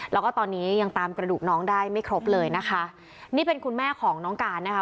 แล้วก็ตอนนี้ยังตามกระดูกน้องได้ไม่ครบเลยนะคะนี่เป็นคุณแม่ของน้องการนะคะ